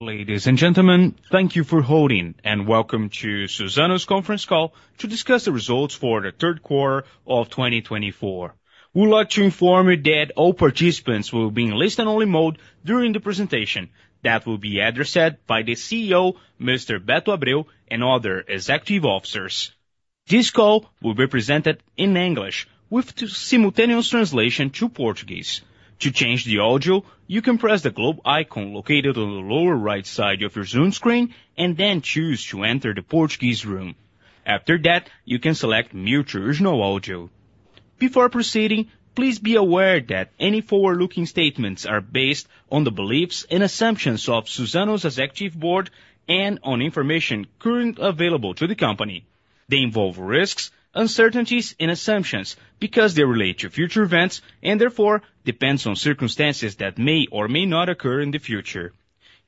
Ladies and gentlemen, thank you for holding, and welcome to Suzano's Conference Call to discuss the results for the third quarter of 2024. We'd like to inform you that all participants will be in listen-only mode during the presentation. That will be addressed by the CEO, Mr. Beto Abreu, and other executive officers. This call will be presented in English, with simultaneous translation to Portuguese. To change the audio, you can press the globe icon located on the lower right side of your Zoom screen, and then choose to enter the Portuguese room. After that, you can select mute to original audio. Before proceeding, please be aware that any forward-looking statements are based on the beliefs and assumptions of Suzano's executive board and on information currently available to the company. They involve risks, uncertainties, and assumptions because they relate to future events, and therefore, depends on circumstances that may or may not occur in the future.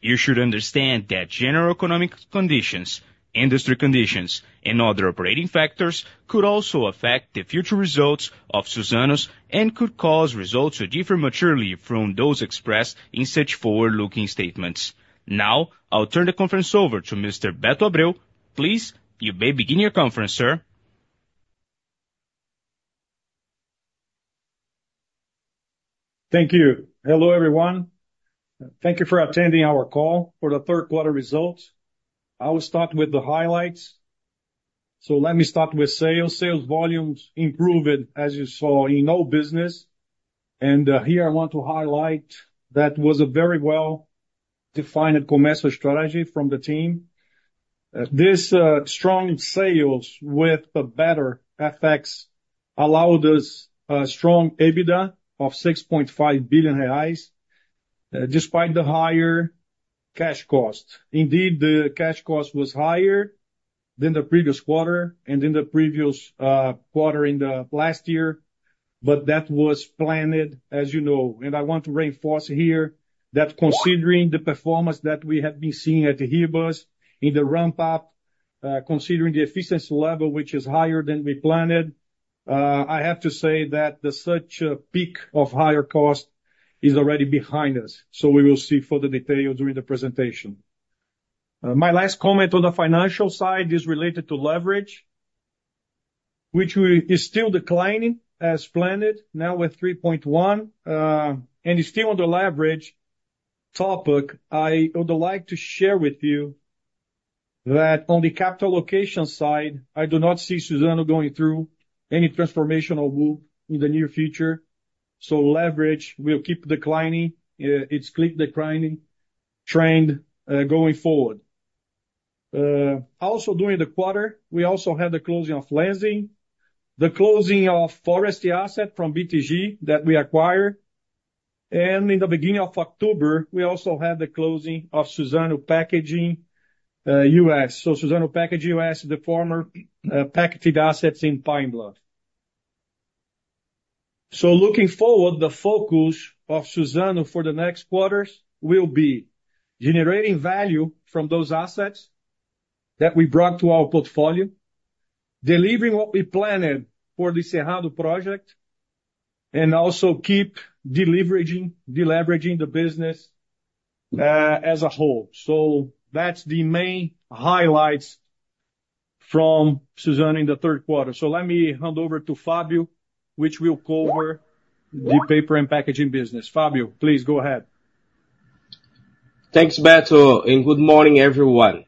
You should understand that general economic conditions, industry conditions, and other operating factors could also affect the future results of Suzano's and could cause results to differ materially from those expressed in such forward-looking statements. Now, I'll turn the conference over to Mr. Beto Abreu. Please, you may begin your conference, sir. Thank you. Hello, everyone. Thank you for attending our call for the Third Quarter Results. I will start with the highlights. Let me start with sales. Sales volumes improved, as you saw, in all business, and here I want to highlight that was a very well-defined commercial strategy from the team. This strong sales with a better FX allowed us a strong EBITDA of 6.5 billion reais, despite the higher cash cost. Indeed, the cash cost was higher than the previous quarter and in the previous quarter in the last year, but that was planned, as you know. I want to reinforce here that considering the performance that we have been seeing at Ribas in the ramp up, considering the efficiency level, which is higher than we planned, I have to say that the such a peak of higher cost is already behind us, so we will see further details during the presentation. My last comment on the financial side is related to leverage, which is still declining as planned, now with three point one. And still on the leverage topic, I would like to share with you that on the capital allocation side, I do not see Suzano going through any transformational move in the near future, so leverage will keep declining. It's clear declining trend, going forward. Also during the quarter, we also had the closing of Lenzing, the closing of forestry asset from BTG that we acquired, and in the beginning of October, we also had the closing of Suzano Packaging US. So Suzano Packaging US, the former packaging assets in Pine Bluff. So looking forward, the focus of Suzano for the next quarters will be generating value from those assets that we brought to our portfolio, delivering what we planned for the Cerrado Project, and also keep deleveraging the business as a whole. So that's the main highlights from Suzano in the third quarter. So let me hand over to Fabio, which will cover the paper and packaging business. Fabio, please go ahead. Thanks, Beto, and good morning, everyone.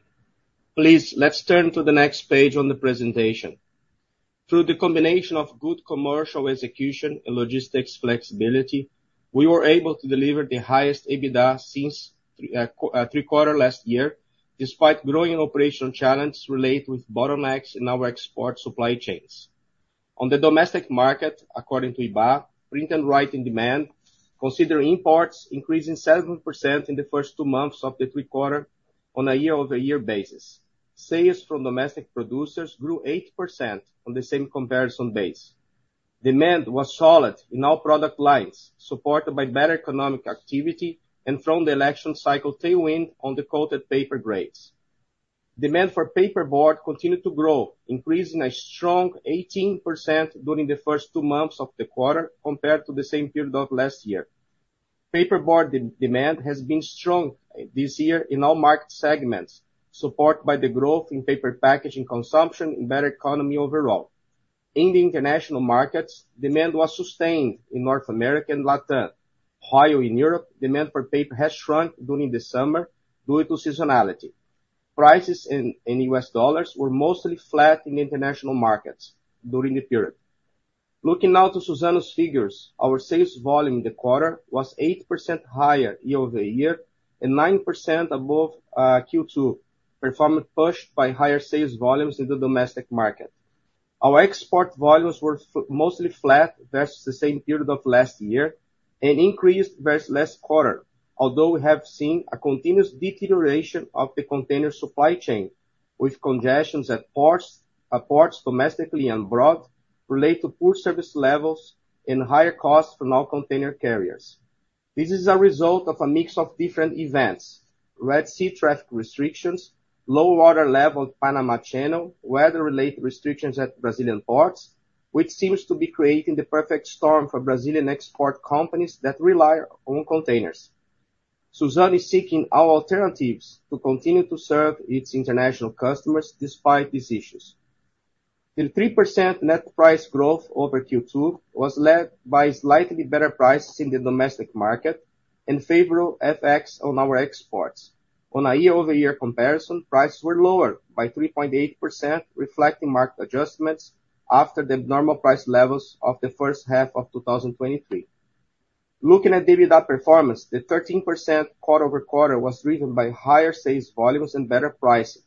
Please, let's turn to the next page on the presentation. Through the combination of good commercial execution and logistics flexibility, we were able to deliver the highest EBITDA since third quarter last year, despite growing operational challenges related with bottlenecks in our export supply chains. On the domestic market, according to Ibá, print and writing demand, considering imports, increasing 7% in the first two months of the third quarter on a year-over-year basis. Sales from domestic producers grew 8% on the same comparison basis. Demand was solid in all product lines, supported by better economic activity and from the election cycle tailwind on the coated paper grades. Demand for paperboard continued to grow, increasing a strong 18% during the first two months of the quarter, compared to the same period of last year. Paperboard demand has been strong this year in all market segments, supported by the growth in paper packaging consumption and better economy overall. In the international markets, demand was sustained in North America and Latin America. While in Europe, demand for paper has shrunk during the summer due to seasonality. Prices in U.S. dollars were mostly flat in the international markets during the period. Looking now to Suzano's figures, our sales volume in the quarter was 8% higher year-over-year and 9% above Q2, performance pushed by higher sales volumes in the domestic market. Our export volumes were mostly flat versus the same period of last year and increased versus last quarter, although we have seen a continuous deterioration of the container supply chain, with congestions at ports domestically and abroad, related to poor service levels and higher costs for non-container carriers. This is a result of a mix of different events: Red Sea traffic restrictions, low water level at Panama Canal, weather-related restrictions at Brazilian ports, which seems to be creating the perfect storm for Brazilian export companies that rely on containers. Suzano is seeking all alternatives to continue to serve its international customers despite these issues. The 3% net price growth over Q2 was led by slightly better prices in the domestic market and favorable FX on our exports. On a year-over-year comparison, prices were lower by 3.8%, reflecting market adjustments after the normal price levels of the first half of 2023. Looking at EBITDA performance, the 13% quarter-over-quarter was driven by higher sales volumes and better pricing.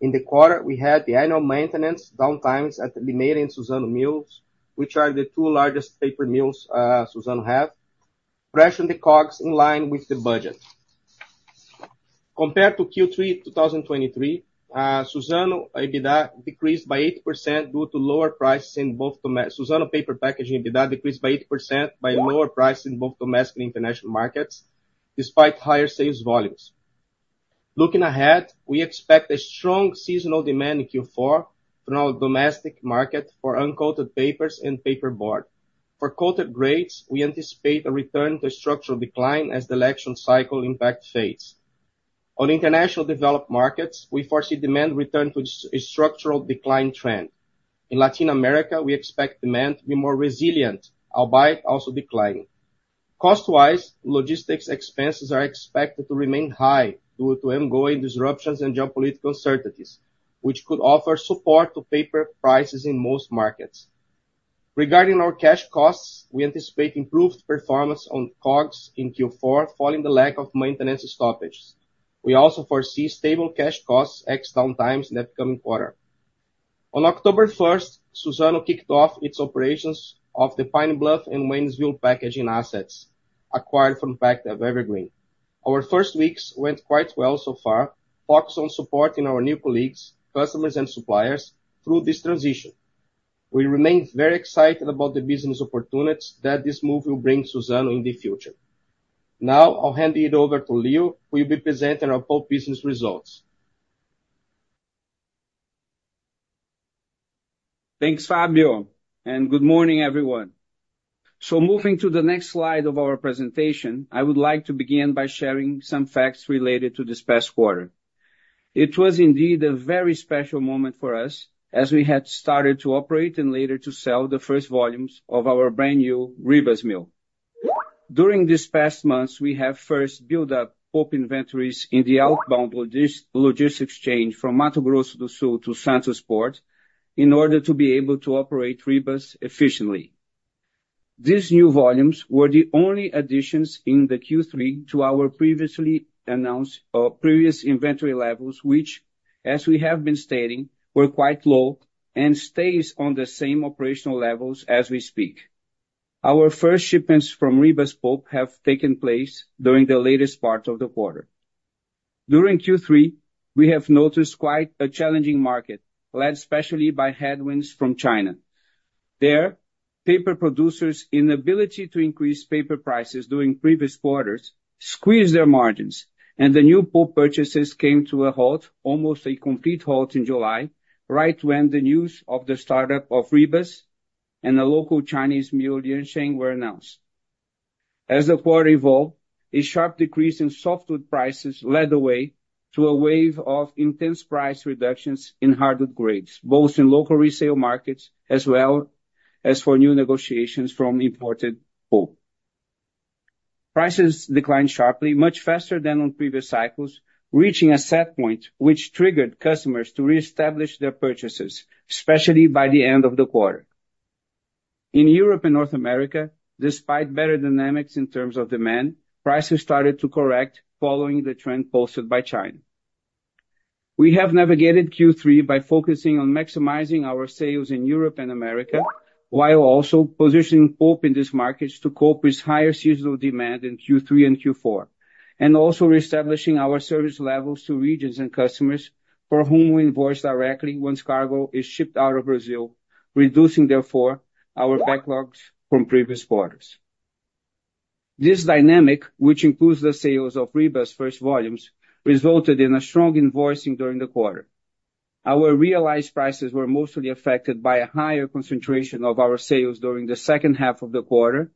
In the quarter, we had the annual maintenance downtimes at Limeira and Suzano mills, which are the two largest paper mills Suzano have, pressuring the COGS in line with the budget. Compared to Q3, 2023, Suzano EBITDA decreased by 8% due to lower prices in both Suzano Paper Packaging EBITDA decreased by 8% by lower prices in both domestic and international markets, despite higher sales volumes. Looking ahead, we expect a strong seasonal demand in Q4 from our domestic market for uncoated papers and paperboard. For coated grades, we anticipate a return to structural decline as the election cycle impact fades. On international developed markets, we foresee demand return to a structural decline trend. In Latin America, we expect demand to be more resilient, albeit also declining. Cost-wise, logistics expenses are expected to remain high due to ongoing disruptions and geopolitical uncertainties, which could offer support to paper prices in most markets. Regarding our cash costs, we anticipate improved performance on COGS in Q4, following the lack of maintenance stoppages. We also foresee stable cash costs ex downtimes in the upcoming quarter. On October first, Suzano kicked off its operations of the Pine Bluff and Waynesville packaging assets acquired from Pactiv Evergreen. Our first weeks went quite well so far, focused on supporting our new colleagues, customers, and suppliers through this transition. We remain very excited about the business opportunities that this move will bring Suzano in the future. Now, I'll hand it over to Leo, who will be presenting our pulp business results. Thanks, Fabio, and good morning, everyone. So moving to the next slide of our presentation, I would like to begin by sharing some facts related to this past quarter. It was indeed a very special moment for us, as we had started to operate and later to sell the first volumes of our brand new Ribas mill. During these past months, we have first built up pulp inventories in the outbound logistics chain from Mato Grosso do Sul to Santos Port, in order to be able to operate Ribas efficiently. These new volumes were the only additions in the Q3 to our previously announced previous inventory levels, which, as we have been stating, were quite low and stays on the same operational levels as we speak. Our first shipments from Ribas Pulp have taken place during the latest part of the quarter. During Q3, we have noticed quite a challenging market, led especially by headwinds from China. There, paper producers' inability to increase paper prices during previous quarters squeezed their margins, and the new pulp purchases came to a halt, almost a complete halt in July, right when the news of the startup of Ribas and a local Chinese mill, Liansheng, were announced. As the quarter evolved, a sharp decrease in softwood prices led the way to a wave of intense price reductions in hardwood grades, both in local resale markets, as well as for new negotiations from imported pulp. Prices declined sharply, much faster than on previous cycles, reaching a set point, which triggered customers to reestablish their purchases, especially by the end of the quarter. In Europe and North America, despite better dynamics in terms of demand, prices started to correct following the trend posted by China. We have navigated Q3 by focusing on maximizing our sales in Europe and America, while also positioning pulp in these markets to cope with higher seasonal demand in Q3 and Q4, and also reestablishing our service levels to regions and customers for whom we invoice directly once cargo is shipped out of Brazil, reducing, therefore, our backlogs from previous quarters. This dynamic, which includes the sales of Ribas' first volumes, resulted in a strong invoicing during the quarter. Our realized prices were mostly affected by a higher concentration of our sales during the second half of the quarter,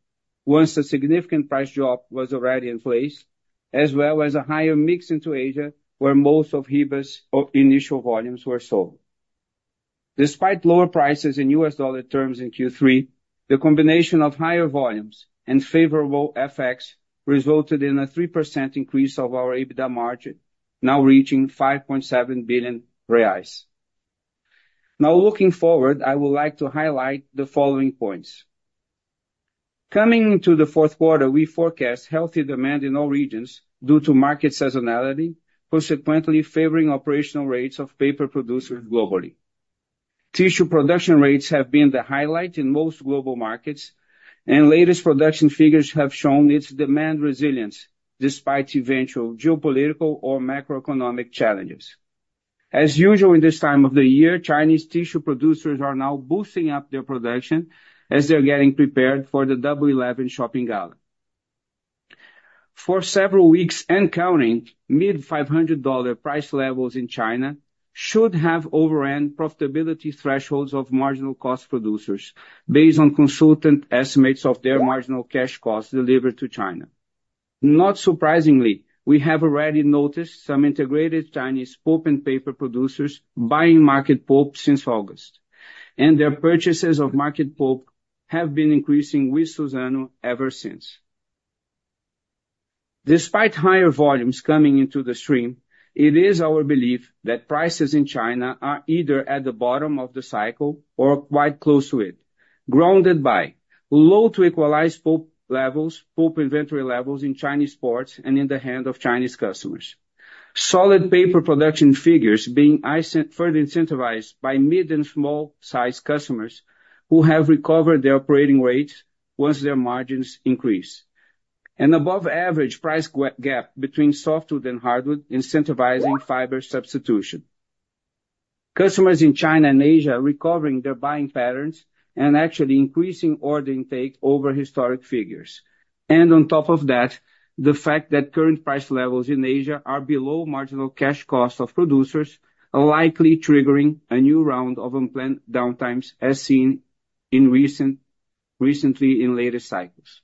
once a significant price drop was already in place, as well as a higher mix into Asia, where most of Ribas' initial volumes were sold. Despite lower prices in US dollar terms in Q3, the combination of higher volumes and favorable FX resulted in a 3% increase of our EBITDA margin, now reaching 5.7 billion reais. Now, looking forward, I would like to highlight the following points: Coming into the fourth quarter, we forecast healthy demand in all regions due to market seasonality, consequently favoring operational rates of paper producers globally. Tissue production rates have been the highlight in most global markets, and latest production figures have shown its demand resilience, despite eventual geopolitical or macroeconomic challenges. As usual, in this time of the year, Chinese tissue producers are now boosting up their production as they're getting prepared for the Double 11 shopping gala. For several weeks and counting, mid-five hundred dollar price levels in China should have overrun profitability thresholds of marginal cost producers, based on consultant estimates of their marginal cash costs delivered to China. Not surprisingly, we have already noticed some integrated Chinese pulp and paper producers buying market pulp since August, and their purchases of market pulp have been increasing with Suzano ever since. Despite higher volumes coming into the stream, it is our belief that prices in China are either at the bottom of the cycle or quite close to it, grounded by low to equalized pulp levels, pulp inventory levels in Chinese ports and in the hands of Chinese customers. Solid paper production figures being further incentivized by mid and small-sized customers, who have recovered their operating rates once their margins increase. An above average price gap between softwood and hardwood, incentivizing fiber substitution. Customers in China and Asia are recovering their buying patterns and actually increasing order intake over historic figures. On top of that, the fact that current price levels in Asia are below marginal cash costs of producers are likely triggering a new round of unplanned downtimes, as seen recently in later cycles.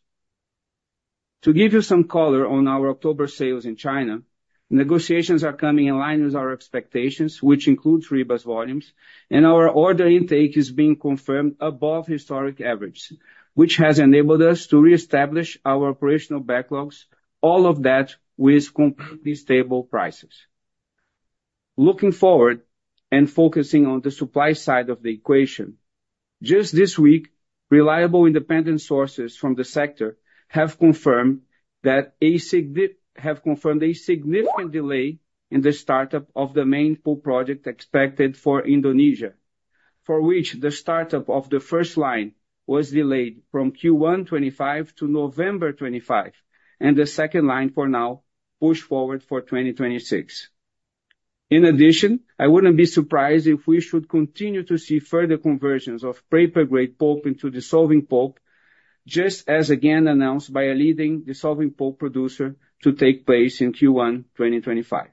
To give you some color on our October sales in China, negotiations are coming in line with our expectations, which includes Ribas volumes, and our order intake is being confirmed above historic average, which has enabled us to reestablish our operational backlogs, all of that with completely stable prices. Looking forward and focusing on the supply side of the equation, just this week, reliable independent sources from the sector have confirmed a significant delay in the startup of the main pulp project expected for Indonesia, for which the startup of the first line was delayed from Q1 2025 to November 2025, and the second line, for now, pushed forward for 2026. In addition, I wouldn't be surprised if we should continue to see further conversions of paper-grade pulp into dissolving pulp, just as, again, announced by a leading dissolving pulp producer, to take place in Q1 2025.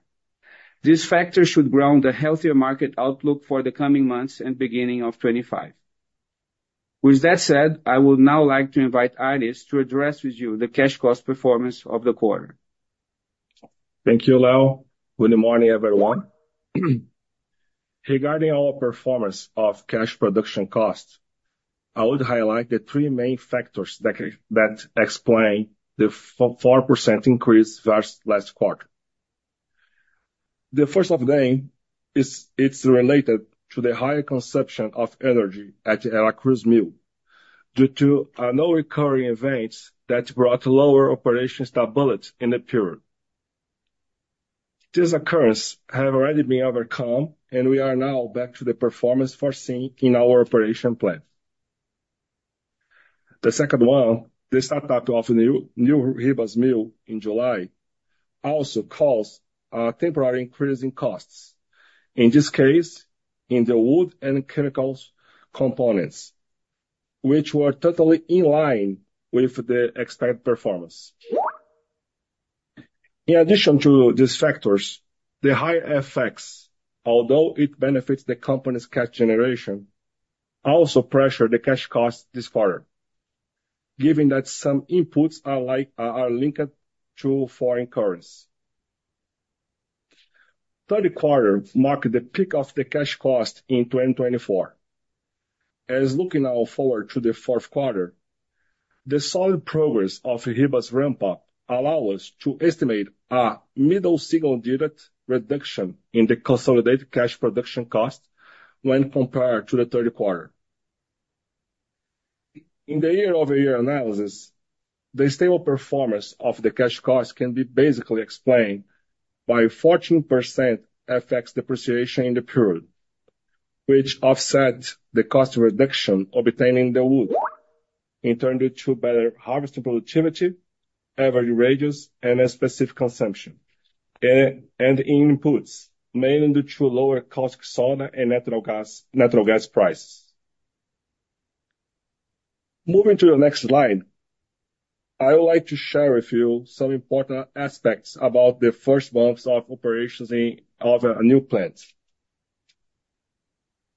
This factor should ground a healthier market outlook for the coming months and beginning of 2025. With that said, I would now like to invite Aires to address with you the cash cost performance of the quarter. Thank you, Leo. Good morning, everyone. Regarding our performance of cash production costs, I would highlight the three main factors that explain the 4% increase versus last quarter. The first of them is, it's related to the higher consumption of energy at the Araucária's mill, due to non-recurring events that brought lower operation stability in the period. This occurrence have already been overcome, and we are now back to the performance foreseen in our operation plan. The second one, the startup of the new Ribas mill in July, also caused a temporary increase in costs, in this case, in the wood and chemicals components, which were totally in line with the expected performance. In addition to these factors, the higher FX, although it benefits the company's cash generation, also pressure the cash costs this quarter, given that some inputs are linked to foreign currency. Third quarter marked the peak of the cash cost in 2024. As looking now forward to the fourth quarter, the solid progress of Ribas ramp-up allow us to estimate a middle single-digit reduction in the consolidated cash production cost when compared to the third quarter. In the year-over-year analysis, the stable performance of the cash cost can be basically explained by 14% FX depreciation in the period, which offset the cost reduction of obtaining the wood, in turn, due to better harvest productivity, average radius, and a specific consumption, and in inputs, mainly due to lower cost soda and natural gas prices. Moving to the next slide, I would like to share with you some important aspects about the first months of operations in of a new plant.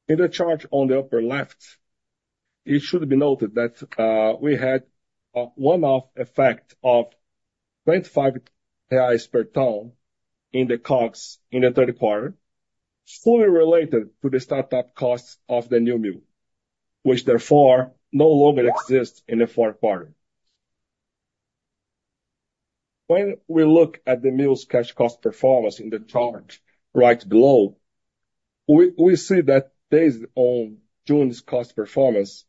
In the chart on the upper left, it should be noted that we had a one-off effect of 25 reais per ton in the COGS in the third quarter, fully related to the startup costs of the new mill, which therefore no longer exists in the fourth quarter. When we look at the mill's cash cost performance in the chart right below, we see that based on June's cost performance,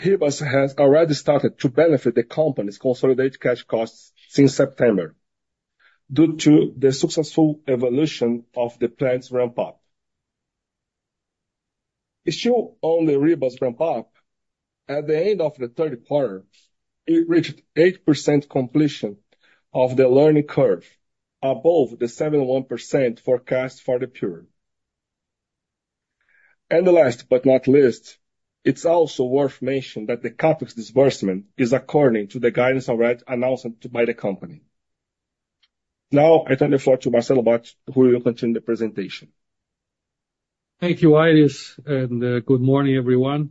Ribas has already started to benefit the company's consolidated cash costs since September, due to the successful evolution of the plant's ramp-up. Issue on the Ribas ramp-up, at the end of the third quarter, it reached 8% completion of the learning curve, above the 71% forecast for the period. And the last, but not least, it's also worth mentioning that the CapEx disbursement is according to the guidance already announced by the company. Now, I turn the floor to Marcelo Bacci, who will continue the presentation. Thank you, Aires, and good morning, everyone.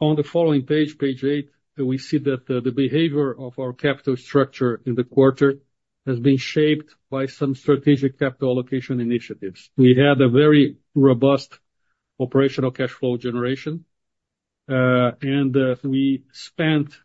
On the following page, page eight, we see that the behavior of our capital structure in the quarter has been shaped by some strategic capital allocation initiatives. We had a very robust operational cash flow generation, and we spent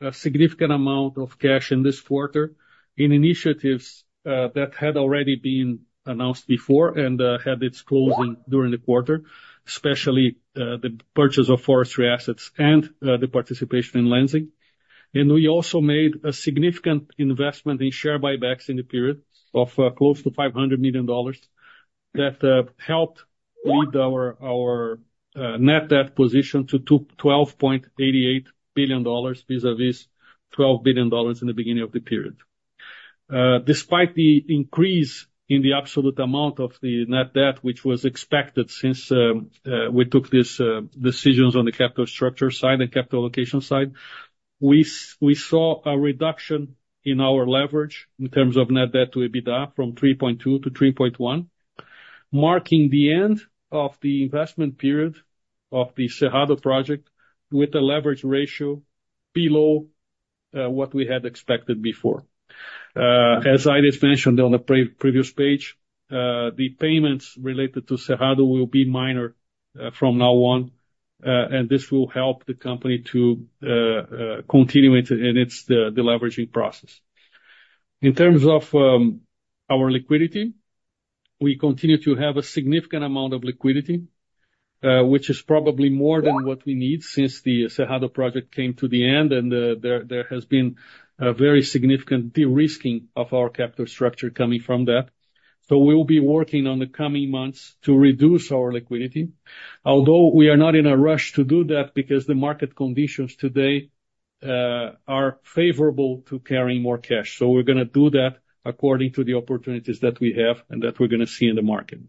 a significant amount of cash in this quarter in initiatives that had already been announced before and had its closing during the quarter, especially the purchase of forestry assets and the participation in Lenzing. And we also made a significant investment in share buybacks in the period of close to $500 million, that helped lead our net debt position to $12.88 billion, vis-a-vis $12 billion in the beginning of the period. Despite the increase in the absolute amount of the net debt, which was expected since we took these decisions on the capital structure side and capital allocation side, we saw a reduction in our leverage in terms of net debt to EBITDA, from 3.2%-3.1%, marking the end of the investment period of the Cerrado Project, with a leverage ratio below what we had expected before. As Aires mentioned on the previous page, the payments related to Cerrado will be minor from now on, and this will help the company to continue in its de-leveraging process. In terms of our liquidity, we continue to have a significant amount of liquidity, which is probably more than what we need since the Cerrado Project came to the end, and there has been a very significant de-risking of our capital structure coming from that. We will be working on the coming months to reduce our liquidity, although we are not in a rush to do that, because the market conditions today are favorable to carrying more cash. We're gonna do that according to the opportunities that we have and that we're gonna see in the market.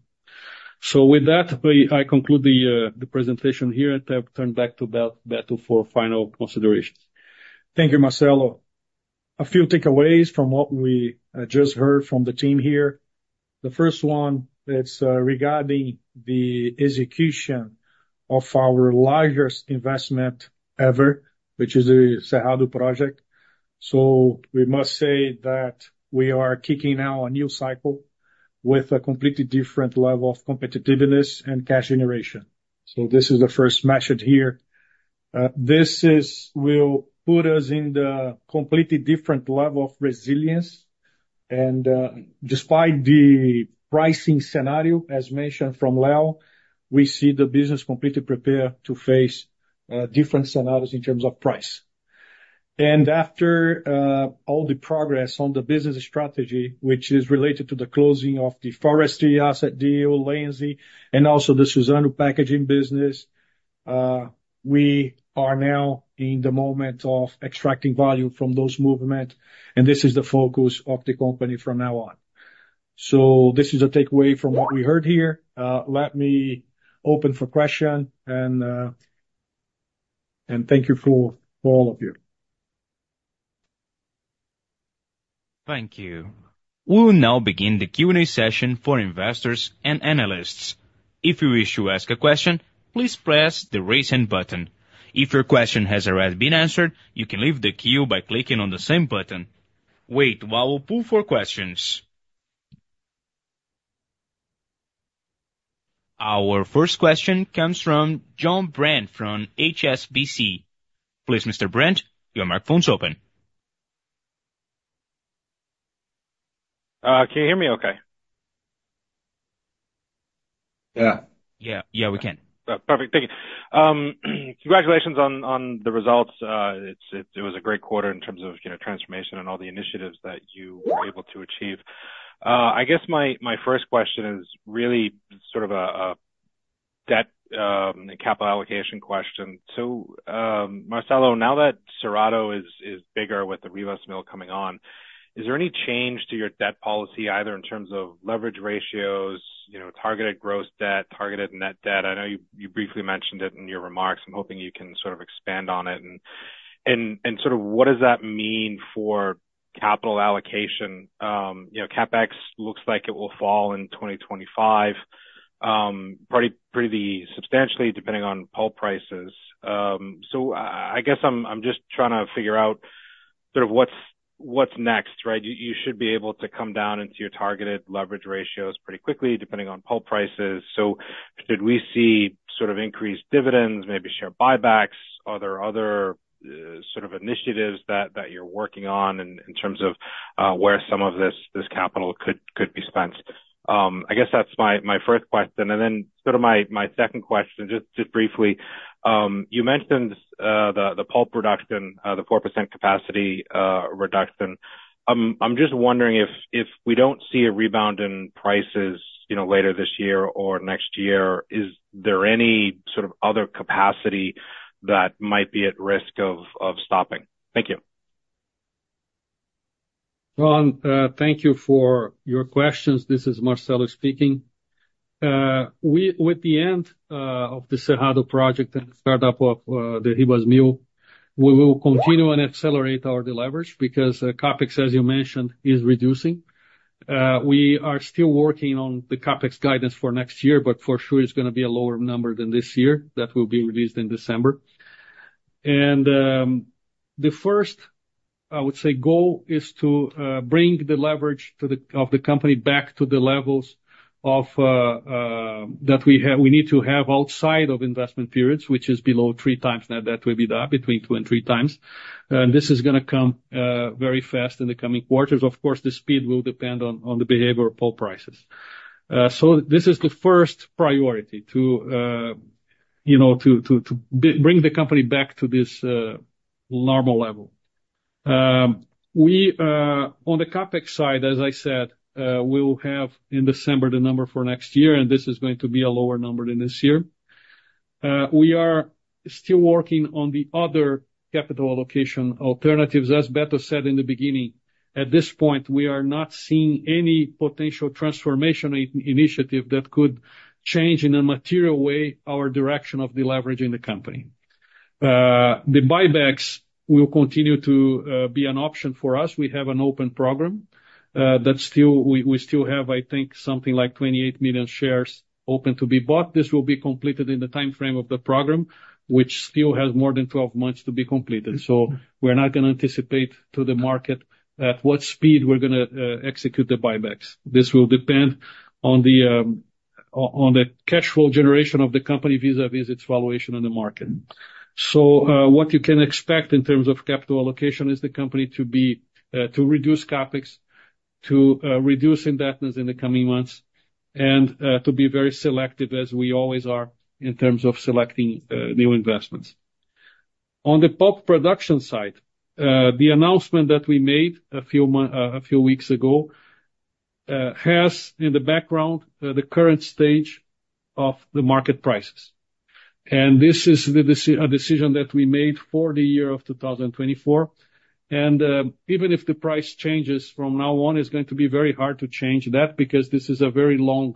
With that, I conclude the presentation here, and turn back to Beto for final considerations. Thank you, Marcelo. A few takeaways from what we just heard from the team here. The first one, it's regarding the execution of our largest investment ever, which is the Cerrado Project. So we must say that we are kicking now a new cycle with a completely different level of competitiveness and cash generation. So this is the first message here. This will put us in the completely different level of resilience, and despite the pricing scenario, as mentioned from Leo, we see the business completely prepared to face different scenarios in terms of price. And after all the progress on the business strategy, which is related to the closing of the forestry asset deal, Lenzing, and also the Suzano packaging business, we are now in the moment of extracting value from those movement, and this is the focus of the company from now on. So this is a takeaway from what we heard here. Let me open for question, and, and thank you for all of you. Thank you. We'll now begin the Q&A session for investors and analysts. If you wish to ask a question, please press the Raise Hand button. If your question has already been answered, you can leave the queue by clicking on the same button. Wait while we pull for questions. Our first question comes from Jon Brandt, from HSBC. Please, Mr. Brandt, your microphone is open. Can you hear me okay? Yeah. Yeah, yeah, we can. Perfect. Thank you. Congratulations on the results. It was a great quarter in terms of, you know, transformation and all the initiatives that you were able to achieve. I guess my first question is really sort of a debt and capital allocation question. So, Marcelo, now that Cerrado is bigger with the Ribas mill coming on, is there any change to your debt policy, either in terms of leverage ratios, you know, targeted gross debt, targeted net debt? I know you briefly mentioned it in your remarks. I'm hoping you can sort of expand on it, and sort of what does that mean for capital allocation? You know, CapEx looks like it will fall in 2025 pretty substantially, depending on pulp prices. So I guess I'm just trying to figure out sort of what's next, right? You should be able to come down into your targeted leverage ratios pretty quickly, depending on pulp prices. So should we see sort of increased dividends, maybe share buybacks? Are there other sort of initiatives that you're working on in terms of where some of this capital could be spent? I guess that's my first question. And then sort of my second question, just briefly, you mentioned the pulp reduction, the 4% capacity reduction. I'm just wondering if we don't see a rebound in prices, you know, later this year or next year, is there any sort of other capacity that might be at risk of stopping? Thank you. Jon, thank you for your questions. This is Marcelo speaking. With the end of the Cerrado Project and the startup of the Ribas mill, we will continue and accelerate our deleverage because CapEx, as you mentioned, is reducing. We are still working on the CapEx guidance for next year, but for sure, it's gonna be a lower number than this year. That will be released in December. The first, I would say, goal is to bring the leverage of the company back to the levels that we need to have outside of investment periods, which is below 3x net debt/EBITDA, between 2x and 3x. This is gonna come very fast in the coming quarters. Of course, the speed will depend on the behavior of pulp prices. So this is the first priority to you know bring the company back to this normal level. We, on the CapEx side, as I said, we will have in December the number for next year, and this is going to be a lower number than this year. We are still working on the other capital allocation alternatives. As Beto said in the beginning, at this point, we are not seeing any potential transformation initiative that could change, in a material way, our direction of deleveraging the company. The buybacks will continue to be an option for us. We have an open program that we still have, I think, something like 28 million shares open to be bought. This will be completed in the timeframe of the program, which still has more than 12 months to be completed. We're not gonna anticipate to the market at what speed we're gonna execute the buybacks. This will depend on the cash flow generation of the company vis-a-vis its valuation on the market. What you can expect in terms of capital allocation is the company to be to reduce CapEx to reduce indebtedness in the coming months and to be very selective, as we always are, in terms of selecting new investments. On the pulp production side, the announcement that we made a few weeks ago has, in the background, the current stage of the market prices. This is a decision that we made for the year of 2024. Even if the price changes from now on, it's going to be very hard to change that, because this is a very long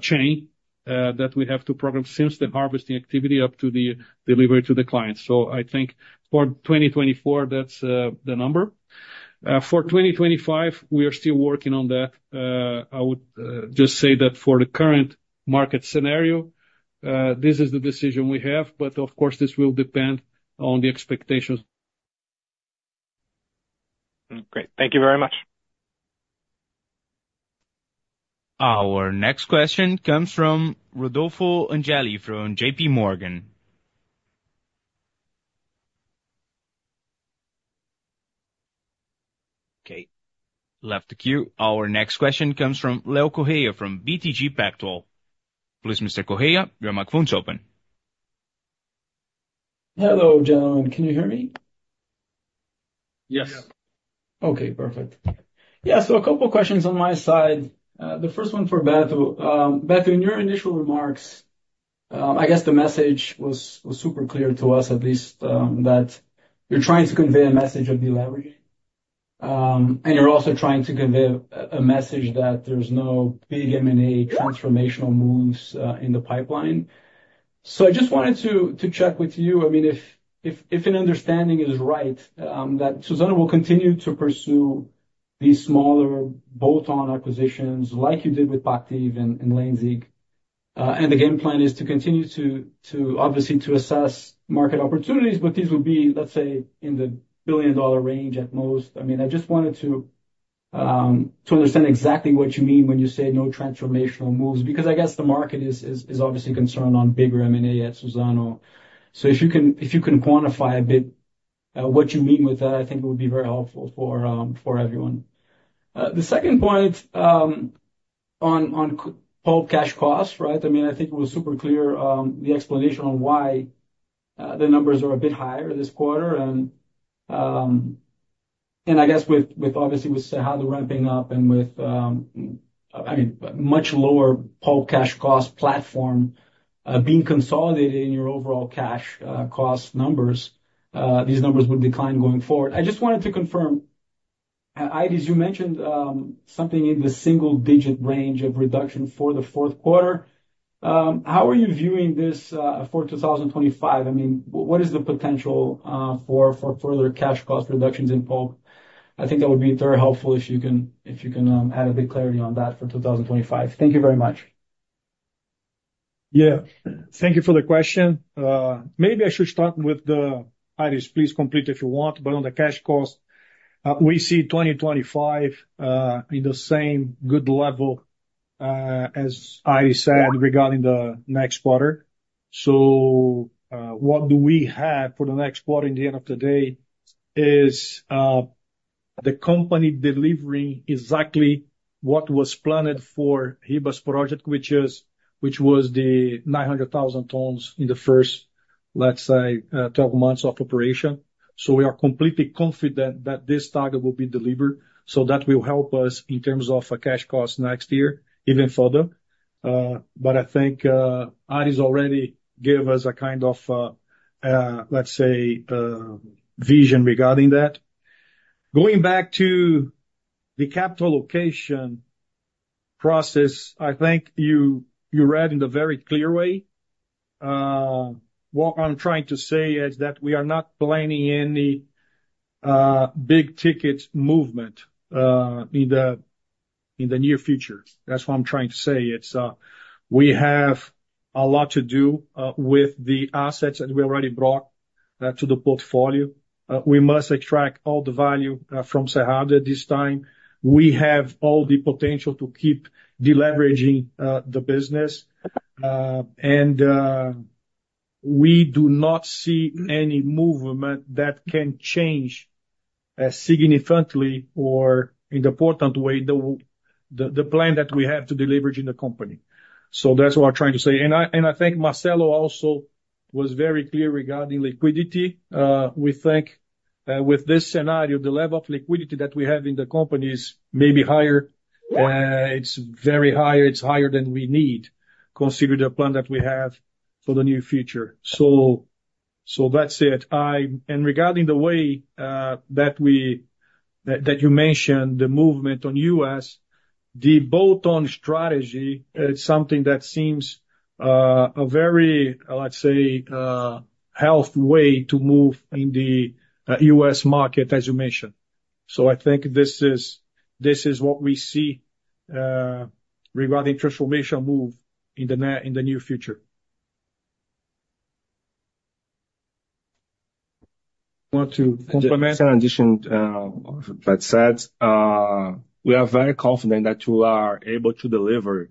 chain that we have to program since the harvesting activity up to the delivery to the client. So I think for 2024, that's the number. For 2025, we are still working on that. I would just say that for the current market scenario, this is the decision we have, but of course, this will depend on the expectations. Great. Thank you very much. Our next question comes from Rodolfo Angeli, from JP Morgan. Okay, left the queue. Our next question comes from Leo Correa, from BTG Pactual. Please, Mr. Correa, your microphone is open. Hello, gentlemen. Can you hear me? Yes. Yeah. Okay, perfect. Yeah, so a couple questions on my side. The first one for Beto. Beto, in your initial remarks, I guess the message was super clear to us at least, that you're trying to convey a message of deleveraging, and you're also trying to convey a message that there's no big M&A transformational moves in the pipeline. So I just wanted to check with you, I mean, if an understanding is right, that Suzano will continue to pursue these smaller bolt-on acquisitions like you did with Pactiv and Lenzing. And the game plan is to continue to obviously assess market opportunities, but these will be, let's say, in the billion-dollar range at most. I mean, I just wanted to, to understand exactly what you mean when you say no transformational moves, because I guess the market is obviously concerned on bigger M&A at Suzano. So if you can quantify a bit, what you mean with that, I think it would be very helpful for everyone. The second point, on market pulp cash costs, right? I mean, I think it was super clear, the explanation on why, the numbers are a bit higher this quarter. And I guess with obviously with Cerrado ramping up and with, I mean, much lower pulp cash cost platform, being consolidated in your overall cash, cost numbers, these numbers would decline going forward. I just wanted to confirm, Aires, you mentioned something in the single-digit range of reduction for the fourth quarter. How are you viewing this for 2025? I mean, what is the potential for further cash cost reductions in pulp? I think that would be very helpful if you can add a bit clarity on that for 2025. Thank you very much. Yeah, thank you for the question. Maybe I should start with the Aires, please complete if you want, but on the cash cost, we see 2025 in the same good level as Aires said regarding the next quarter. What do we have for the next quarter, in the end of the day, is the company delivering exactly what was planned for Ribas project, which was the 900,000 tons in the first, let's say, 12 months of operation. We are completely confident that this target will be delivered. That will help us in terms of a cash cost next year, even further. But I think, Aires already gave us a kind of, let's say, vision regarding that. Going back to the capital allocation process, I think you, you read in a very clear way. What I'm trying to say is that we are not planning any big ticket movement in the near future. That's what I'm trying to say. It's we have a lot to do with the assets that we already brought to the portfolio. We must extract all the value from Cerrado at this time. We have all the potential to keep deleveraging the business. And we do not see any movement that can change significantly or in important way, the the plan that we have to deleverage in the company. So that's what I'm trying to say. And I think Marcelo also was very clear regarding liquidity. We think, with this scenario, the level of liquidity that we have in the company is maybe higher. It's very high, it's higher than we need, considering the plan that we have for the near future. So that's it. And regarding the way that we, that you mentioned, the movement on U.S., the bolt-on strategy is something that seems a very, let's say, healthy way to move in the U.S. market, as you mentioned. So I think this is what we see regarding transformation move in the near future. I want to comment on an addition, that said, we are very confident that you are able to deliver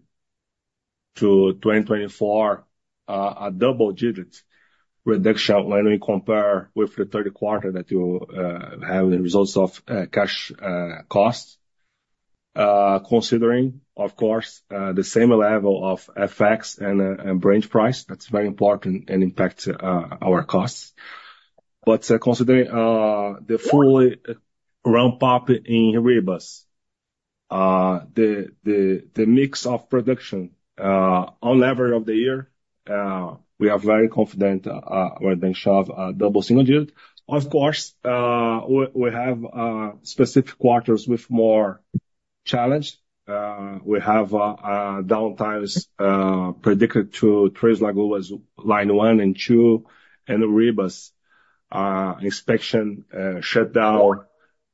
to 2024 a double digit reduction when we compare with the third quarter that you have the results of cash costs. Considering, of course, the same level of FX and bleach price, that's very important and impacts our costs. But considering the full ramp up in Ribas, the mix of production on level of the year, we are very confident we then should double to single digit. Of course, we have specific quarters with more challenge. We have downtimes predicted to Três Lagoas line one and two, and Ribas inspection shutdown.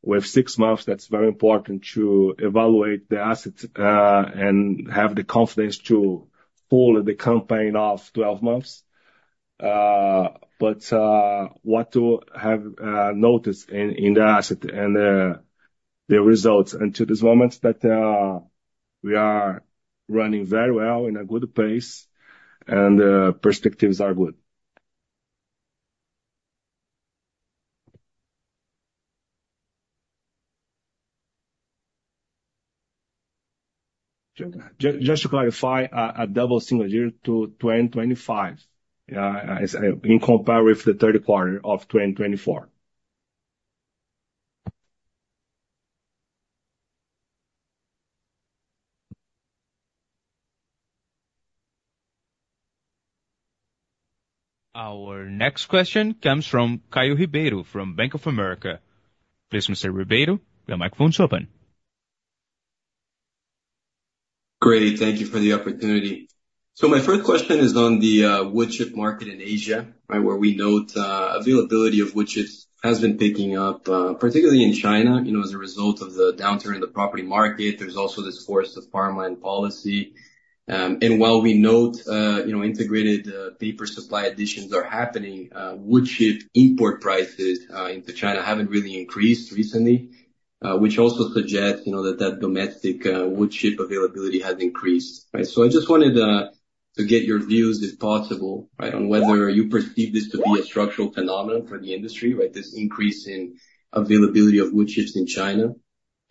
With six months, that's very important to evaluate the assets, and have the confidence to pull the campaign of 12 months. But what we have noticed in the asset and the results. Until this moment, that we are running very well, in a good pace, and perspectives are good. Just to clarify, a Double 11 year to 2025, in comparison with the third quarter of 2024. Our next question comes from Caio Ribeiro, from Bank of America. Please, Mr. Ribeiro, your microphone is open. Great, thank you for the opportunity. So my first question is on the wood chip market in Asia, right? Where we note availability of wood chips has been picking up particularly in China, you know, as a result of the downturn in the property market. There's also this force of farmland policy. And while we note you know integrated paper supply additions are happening, wood chip import prices into China haven't really increased recently, which also suggests you know that domestic wood chip availability has increased, right? So I just wanted to get your views, if possible, right, on whether you perceive this to be a structural phenomenon for the industry, right? This increase in availability of wood chips in China.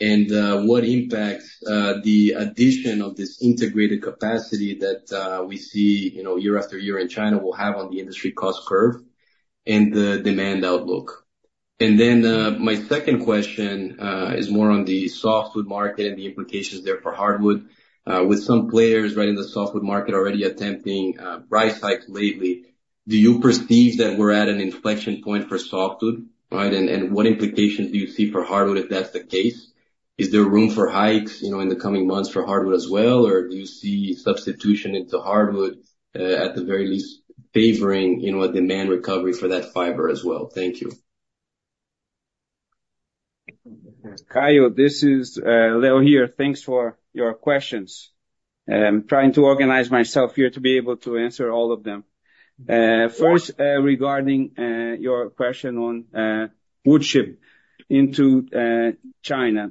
What impact the addition of this integrated capacity that we see, you know, year after year in China will have on the industry cost curve and the demand outlook? And then my second question is more on the softwood market and the implications there for hardwood. With some players right in the softwood market already attempting price hikes lately, do you perceive that we're at an inflection point for softwood, right? And what implications do you see for hardwood, if that's the case? Is there room for hikes, you know, in the coming months for hardwood as well, or do you see substitution into hardwood, at the very least favoring, you know, a demand recovery for that fiber as well? Thank you. Caio, this is Leo here. Thanks for your questions. Trying to organize myself here to be able to answer all of them. First, regarding your question on wood chips into China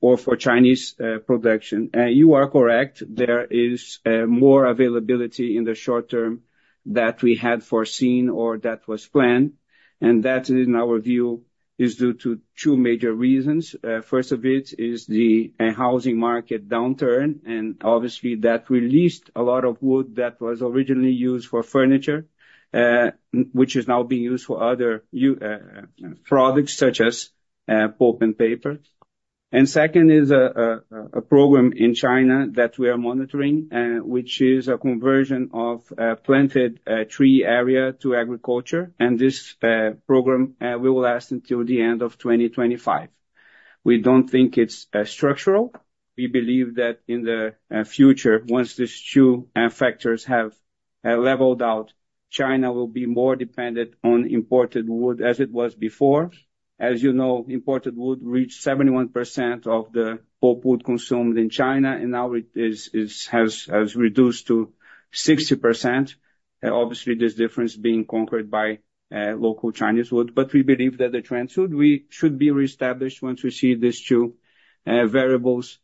or for Chinese production. You are correct, there is more availability in the short term that we had foreseen or that was planned, and that, in our view, is due to two major reasons. First of it is the housing market downturn, and obviously, that released a lot of wood that was originally used for furniture, which is now being used for other products such as pulp and papers. Second is a program in China that we are monitoring, which is a conversion of planted tree area to agriculture, and this program will last until the end of2025. We don't think it's structural. We believe that in the future, once these two factors have leveled out, China will be more dependent on imported wood as it was before. As you know, imported wood reached 71% of the pulp wood consumed in China, and now it has reduced to 60%. Obviously, this difference being conquered by local Chinese wood, but we believe that the trend should be reestablished once we see these two variables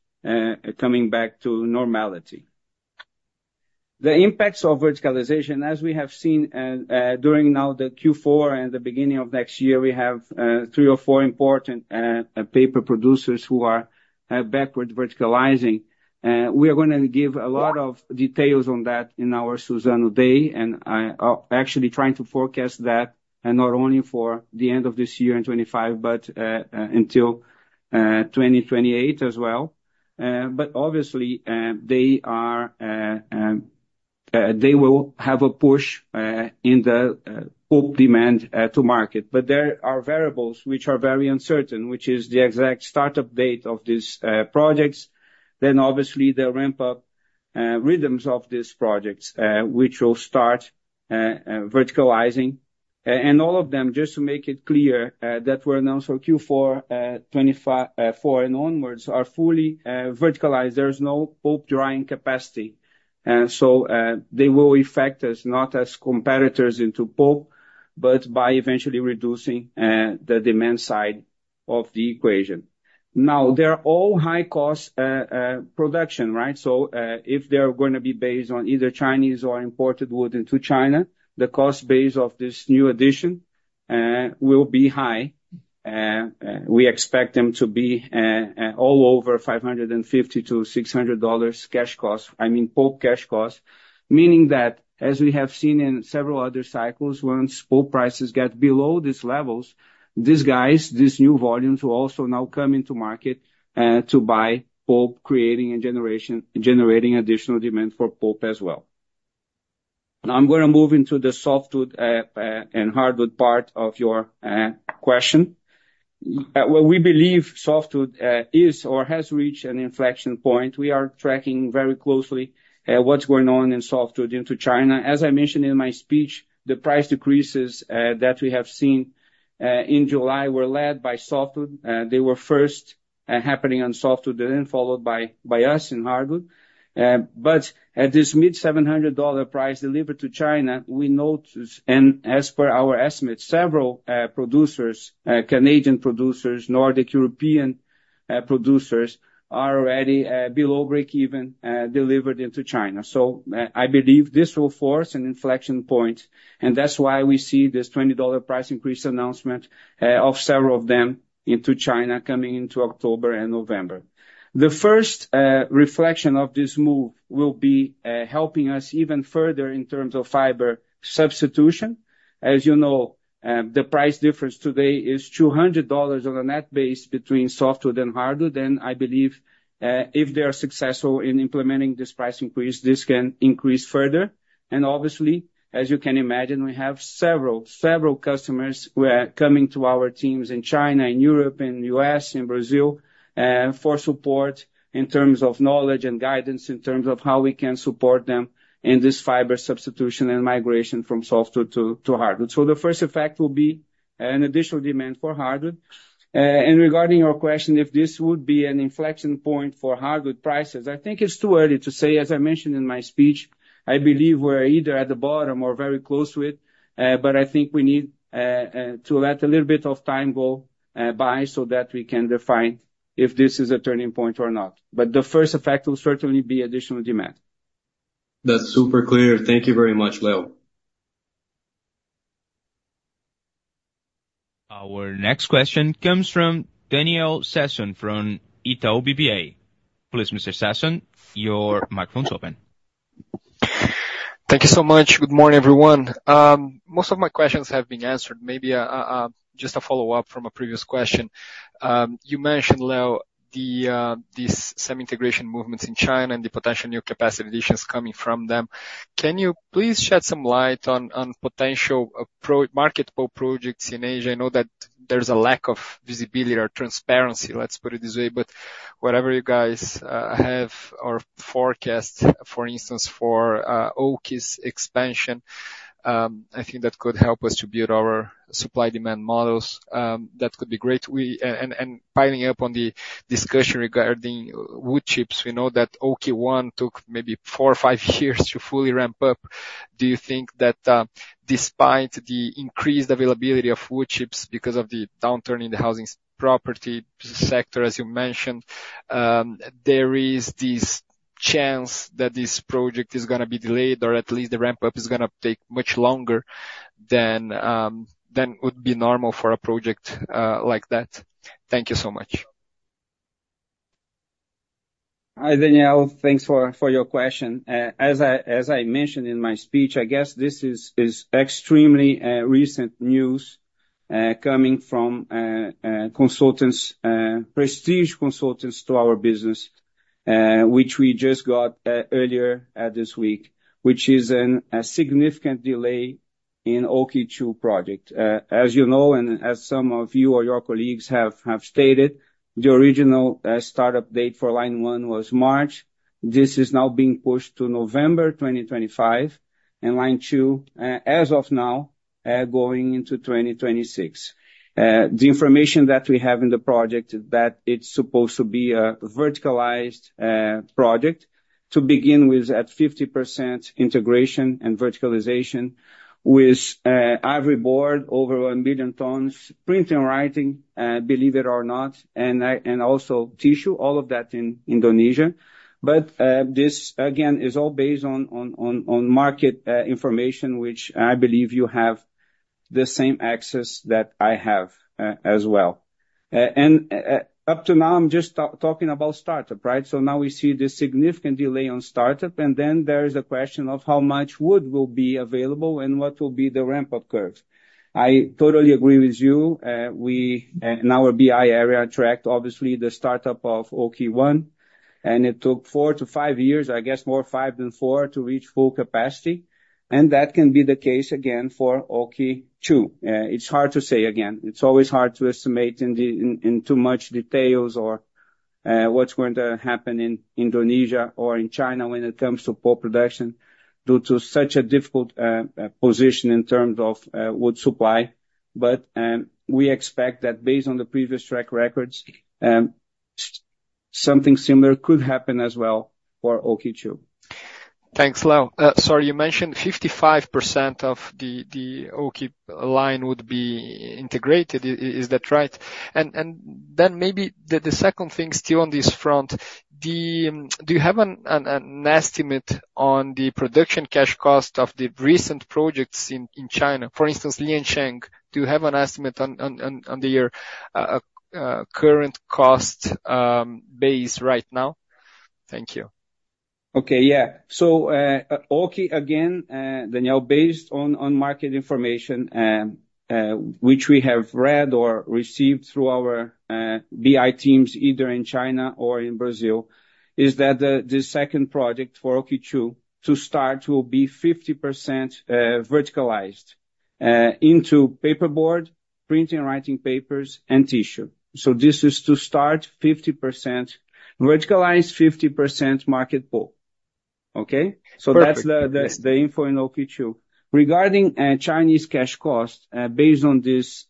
coming back to normality. The impacts of verticalization, as we have seen, during now the Q4 and the beginning of next year, we have three or four important paper producers who are backward verticalizing. We are gonna give a lot of details on that in our Suzano Day, and I actually trying to forecast that, and not only for the end of this year in 2025, but until 2028 as well. But obviously, they will have a push in the pulp demand to market. But there are variables which are very uncertain, which is the exact start up date of these projects, then obviously, the ramp up rhythms of these projects which will start verticalizing. All of them, just to make it clear, that were announced for Q4, 2024 and onwards, are fully verticalized. There is no pulp drying capacity. So, they will affect us, not as competitors into pulp, but by eventually reducing the demand side of the equation. Now, they're all high-cost production, right? So, if they are gonna be based on either Chinese or imported wood into China, the cost base of this new addition will be high. We expect them to be all over $550-$600 cash cost, I mean, pulp cash cost. Meaning that, as we have seen in several other cycles, once pulp prices get below these levels, these guys, these new volumes will also now come into market to buy pulp, creating and generating additional demand for pulp as well. Now, I'm gonna move into the softwood and hardwood part of your question. Well, we believe softwood is or has reached an inflection point. We are tracking very closely what's going on in softwood into China. As I mentioned in my speech, the price decreases that we have seen in July were led by softwood. They were first happening on softwood and then followed by us in hardwood. But at this mid-$700 price delivered to China, we notice, and as per our estimates, several producers, Canadian producers, Nordic European producers, are already below breakeven delivered into China. So I believe this will force an inflection point, and that's why we see this $20 price increase announcement of several of them into China coming into October and November. The first reflection of this move will be helping us even further in terms of fiber substitution. As you know, the price difference today is $200 on a net basis between softwood and hardwood, and I believe if they are successful in implementing this price increase, this can increase further. Obviously, as you can imagine, we have several customers who are coming to our teams in China and Europe and U.S., in Brazil, for support in terms of knowledge and guidance, in terms of how we can support them in this fiber substitution and migration from softwood to hardwood. The first effect will be an additional demand for hardwood. Regarding your question, if this would be an inflection point for hardwood prices, I think it's too early to say. As I mentioned in my speech, I believe we're either at the bottom or very close to it, but I think we need to let a little bit of time go by so that we can define if this is a turning point or not. The first effect will certainly be additional demand. That's super clear. Thank you very much, Leo. Our next question comes from Daniel Sasson, from Itaú BBA. Please, Mr. Sasson, your microphone's open. Thank you so much. Good morning, everyone. Most of my questions have been answered. Maybe just a follow-up from a previous question. You mentioned, Leo, these semi-integration movements in China and the potential new capacity additions coming from them. Can you please shed some light on potentially marketable projects in Asia? I know that there's a lack of visibility or transparency, let's put it this way, but whatever you guys have or forecast, for instance, for OKI's expansion, I think that could help us to build our supply/demand models. That could be great. And piling up on the discussion regarding wood chips, we know that OKI I took maybe four or five years to fully ramp up. Do you think that, despite the increased availability of wood chips because of the downturn in the housing property sector, as you mentioned, there is this chance that this project is gonna be delayed, or at least the ramp-up is gonna take much longer than would be normal for a project, like that? Thank you so much. Hi, Daniel. Thanks for your question. As I mentioned in my speech, I guess this is extremely recent news coming from prestigious consultants to our business, which we just got earlier this week, which is a significant delay in OKI II project. As you know, and as some of you or your colleagues have stated, the original start-up date for line one was March. This is now being pushed to November 2025, and line two, as of now, going into 2026. The information that we have in the project is that it's supposed to be a verticalized project to begin with, at 50% integration and verticalization with every board over 1 billion tons, printing and writing, believe it or not, and also tissue, all of that in Indonesia. But this, again, is all based on market information, which I believe you have the same access that I have as well. And up to now, I'm just talking about startup, right? So now we see the significant delay on startup, and then there is a question of how much wood will be available and what will be the ramp-up curves. I totally agree with you. We in our BI area tracked obviously the startup of OKI I, and it took four to five years, I guess more 5 than 4, to reach full capacity, and that can be the case again OKI II. It's hard to say again. It's always hard to estimate in too much detail or what's going to happen in Indonesia or in China when it comes to pulp production due to such a difficult position in terms of wood supply, but we expect that based on the previous track records, something similar could happen as well for OKI II. Thanks, Leo. Sorry, you mentioned 55% of the OKI line would be integrated. Is that right? And then maybe the second thing still on this front, do you have an estimate on the production cash cost of the recent projects in China, for instance, Liansheng? Do you have an estimate on the current cost base right now? Thank you. Okay. Yeah. So, OKI, again, Daniel, based on market information, which we have read or received through our BI teams, either in China or in Brazil, is that the second project for OKI to start will be 50% verticalized into paperboard, printing and writing papers and tissue. So this is to start 50% verticalized 50% market pulp. Okay? Perfect. So that's the info in OKI II. Regarding Chinese cash costs, based on this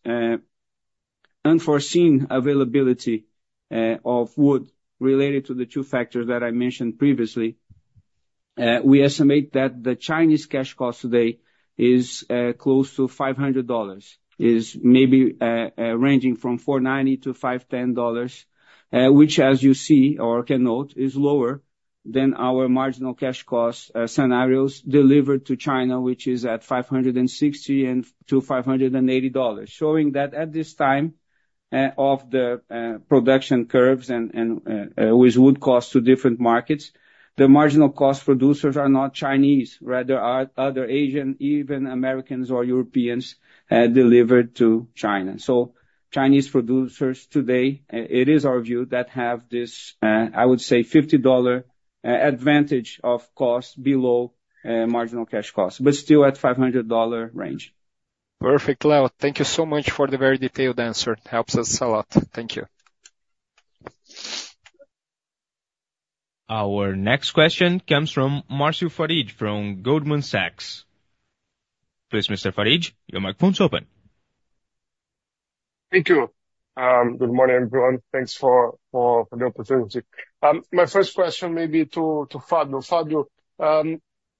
unforeseen availability of wood related to the two factors that I mentioned previously, we estimate that the Chinese cash cost today is close to $500, is maybe ranging from $490-$510, which, as you see or can note, is lower than our marginal cash costs scenarios delivered to China, which is at $560-$580. Showing that at this time of the production curves and with wood costs to different markets, the marginal cost producers are not Chinese, rather are other Asian, even Americans or Europeans delivered to China. Chinese producers today, it is our view that have this, I would say $50 advantage of cost below marginal cash costs, but still at $500 range. Perfect, Leo. Thank you so much for the very detailed answer. Helps us a lot. Thank you. Our next question comes from Marcio Farid from Goldman Sachs. Please, Mr. Farid, your microphone is open. Thank you. Good morning, everyone. Thanks for, for the opportunity. My first question may be to, to Fabio. Fabio,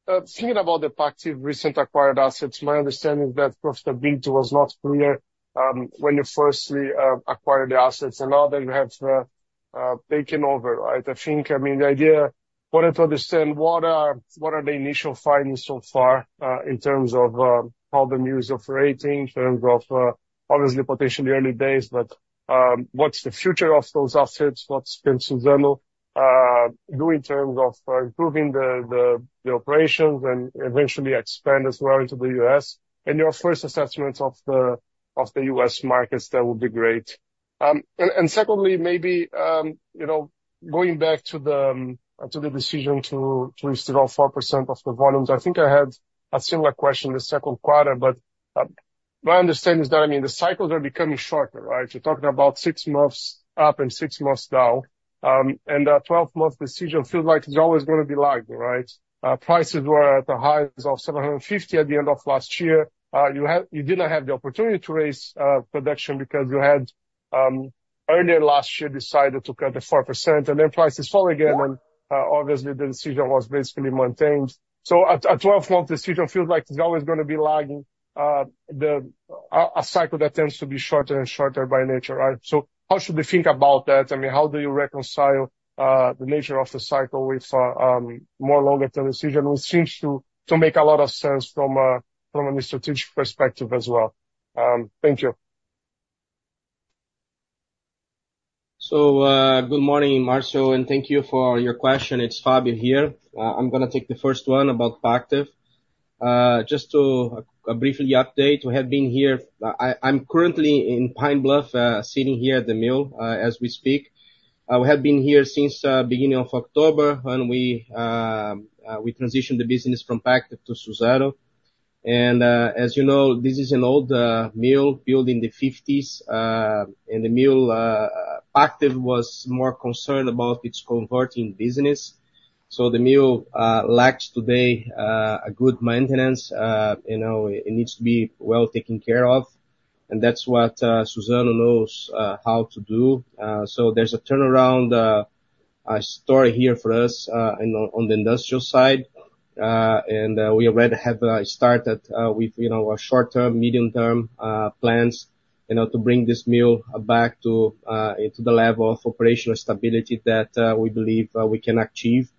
thinking about the recently acquired assets, my understanding is that profitability was not clear, when you first acquired the assets, and now that you have taken over, right? I think, I mean, the idea... I wanted to understand what are, what are the initial findings so far, in terms of, how the new operations are, in terms of, obviously potentially early days, but, what's the future of those assets? What has Suzano done in terms of, improving the operations and eventually expand as well into the U.S., and your first assessment of the, of the U.S. markets, that would be great. And secondly, maybe you know, going back to the decision to restore 4% of the volumes, I think I had a similar question the second quarter, but my understanding is that, I mean, the cycles are becoming shorter, right? You're talking about six months up and six months down, and a 12-month decision feels like it's always gonna be lagging, right? Prices were at the highs of $750 at the end of last year. You didn't have the opportunity to raise production because you had, earlier last year, decided to cut the 4%, and then prices fall again, and obviously the decision was basically maintained. So at 12 months, the decision feels like it's always gonna be lagging, the... A cycle that tends to be shorter and shorter by nature, right? So how should we think about that? I mean, how do you reconcile the nature of the cycle with more longer-term decision, which seems to make a lot of sense from a strategic perspective as well? Thank you. So, good morning, Marcio, and thank you for your question. It's Fabio here. I'm gonna take the first one about Pactiv. Just to briefly update, we have been here. I'm currently in Pine Bluff, sitting here at the mill, as we speak. We have been here since beginning of October, when we transitioned the business from Pactiv to Suzano. And, as you know, this is an old mill, built in the 1950's, and the mill, Pactiv was more concerned about its converting business. So the mill lacks today a good maintenance. You know, it needs to be well taken care of, and that's what Suzano knows how to do. So there's a turnaround story here for us, on the industrial side. And we already have started with, you know, a short-term, medium-term plans, you know, to bring this mill back to the level of operational stability that we believe we can achieve.